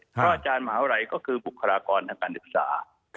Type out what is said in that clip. เพราะอาจารย์มหาวไลก็คือบุคลากรทางการศึกษา